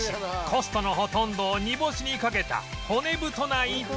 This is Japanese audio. コストのほとんどを煮干しにかけた骨太な一杯